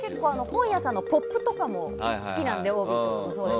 本屋さんのポップとかも好きで、帯も。